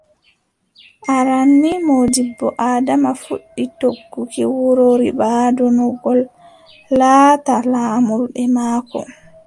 Aran nii Moodibbo Adama fuɗɗi togguki wuro Ribaaɗo no ngo laata laamurde maako.